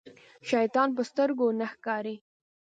شيطان په سترګو نه ښکاري.